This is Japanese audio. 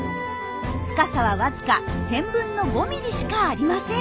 深さはわずか１，０００分の５ｍｍしかありません。